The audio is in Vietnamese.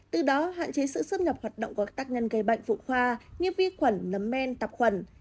từ đó hạn chế sự xâm nhập hoạt động của các tác nhân gây bệnh phụ khoa như vi khuẩn nấm men tạp khuẩn